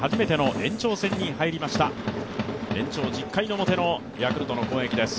延長１０回表のヤクルトの攻撃です。